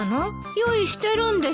用意してるんでしょ？